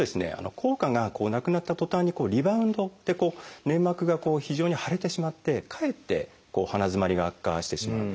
効果がなくなったとたんにリバウンドって粘膜が非常に腫れてしまってかえって鼻づまりが悪化してしまうんですね。